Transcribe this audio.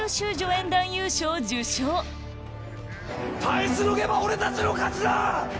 耐えしのげば俺たちの勝ちだ！